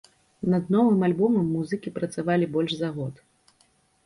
Над новым альбомам музыкі працавалі больш за год.